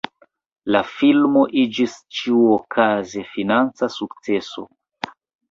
La filmo iĝis ĉiuokaze financa sukceso.